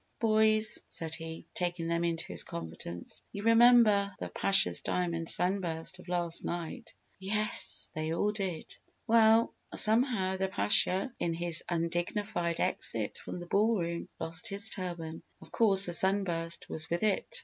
"Boys," said he, taking them into his confidence, "you remember the Pasha's diamond sunburst of last night?" Yes, they all did. "Well, somehow, the Pasha in his undignified exit from the ball room lost his turban. Of course the sunburst was with it.